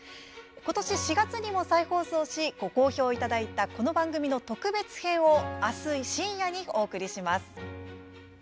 ことし４月にも再放送しご好評いただいたこの番組の特別編をあす深夜にお送りします。